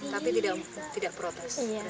tapi tidak protes iya